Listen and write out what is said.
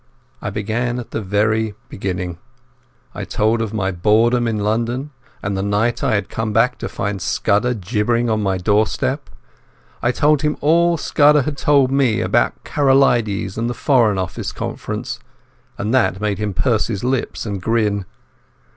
I began at the very beginning. I told of my boredom in London, and the night I had come back to find Scudder gibbering on my doorstep. I told him all Scudder had told me about Karolides and the Foreign Office conference, and that made him purse his lips and grin.